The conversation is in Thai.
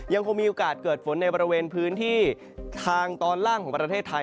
ยังคงมีโอกาสเกิดฝนในบริเวณพื้นที่ทางตอนล่างของประเทศไทย